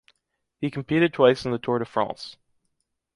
He competed twice in the Tour de France.